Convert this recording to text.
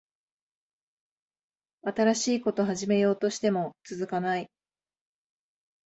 新しいこと始めようとしても続かない